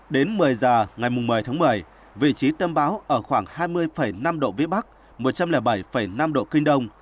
đến một mươi giờ ngày một mươi tháng một mươi vị trí tâm bão ở khoảng hai mươi năm độ vĩ bắc một trăm linh bảy năm độ kinh đông